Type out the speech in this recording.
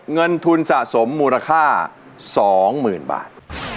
เงินทุนสะสมมูลค่า๒๐๐๐บาท